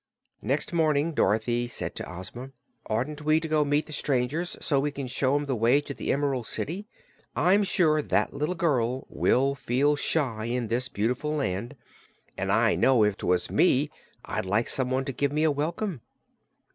Next morning Dorothy said to Ozma: "Oughtn't we to go meet the strangers, so we can show them the way to the Emerald City? I'm sure that little girl will feel shy in this beautiful land, and I know if 'twas me I'd like somebody to give me a welcome."